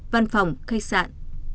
văn phòng khách sạn